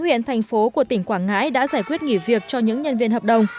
một mươi bốn huyện thành phố của tỉnh quảng ngãi đã giải quyết nghỉ việc cho những nhân viên hợp đồng